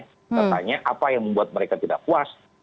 katanya apa yang membuat mereka tidak puas